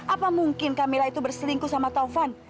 apa mungkin camilla itu berselingkuh sama taufan